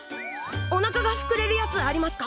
おなかがふくれるやつありますか？